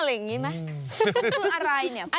คืออะไรเนี่ย